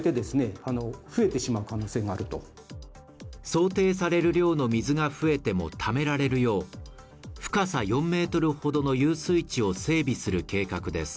想定される量の水が増えてもためられるよう深さ４ｍほどの遊水地を整備する計画です